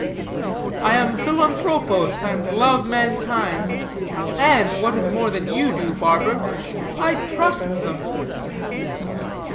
"I am Philanthropos, and love mankind. And, what is more than you do, barber, I trust them."